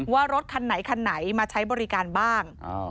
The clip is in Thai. ว่ารถคันไหนมาใช้บริการบ้าง